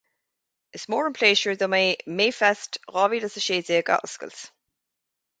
Is mór an pléisiúr dom é MayFest dhá mhíle a sé déag a oscailt